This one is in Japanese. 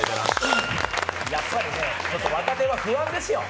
やっぱり若手は不安ですよ。